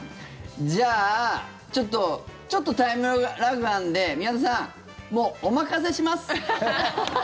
じゃあ、ちょっとちょっとタイムラグがあるんで宮田さん、もうお任せします。